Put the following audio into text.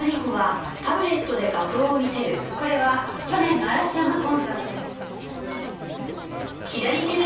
これは去年の嵐山コンサートです。